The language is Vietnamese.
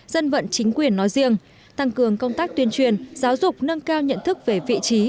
dân vận chính quyền nói riêng tăng cường công tác tuyên truyền giáo dục nâng cao nhận thức về vị trí